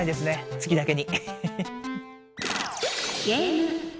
月だけに。